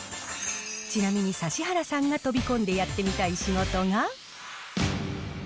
ちなみに、指原さんが飛び込んでやってみたい仕事が。